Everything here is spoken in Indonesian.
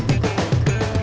jangan ngejam bred